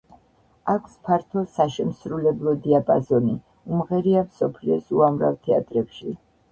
აქვს ფართო საშემსრულებლო დიაპაზონი, უმღერია მსოფლიოს უამრავ თეატრებში.